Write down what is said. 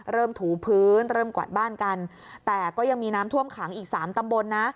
ถูพื้นเริ่มกวาดบ้านกันแต่ก็ยังมีน้ำท่วมขังอีกสามตำบลนะ